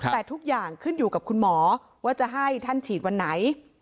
แต่ทุกอย่างขึ้นอยู่กับคุณหมอว่าจะให้ท่านฉีดวันไหน